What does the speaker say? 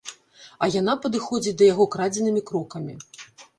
А яна падыходзіць да яго крадзенымі крокамі.